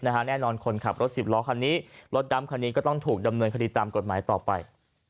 แน่นอนคนขับรถ๑๐ล้อคันนี้รถดำคันนี้ก็ต้องถูกดำเนินคดีตามกฎหมายต่อไป